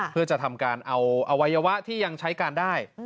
เพื่อจะทำการเอาอวัยวะที่ยังใช้การได้